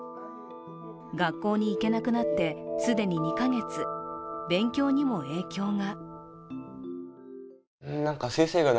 学校に行けなくなって既に２か月、勉強にも影響が。